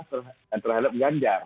yang terhadap ganjar